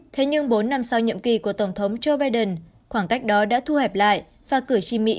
thế nhưng bốn năm sau nhiệm kỳ của tổng thống joe biden khoảng cách đó đã thu hẹp lại và cử tri mỹ